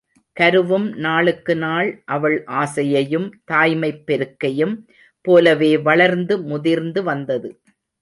கருவும் நாளுக்கு நாள் அவள் ஆசையையும் தாய்மைப் பெருக்கையும் போலவே வளர்ந்து முதிர்ந்து வந்தது.